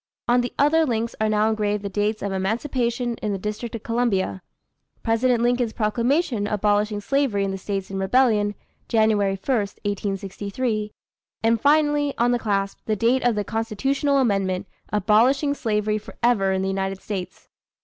On the other links are now engraved the dates of Emancipation in the District of Columbia; President Lincoln's proclamation abolishing slavery in the States in rebellion, Jan. 1, 1863; and finally, on the clasp, the date of the Constitutional amendment, abolishing slavery forever in the United States.